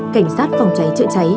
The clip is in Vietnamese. cảnh sát phòng cháy trợ cháy